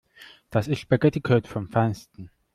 Das ist Spaghetticode vom Feinsten.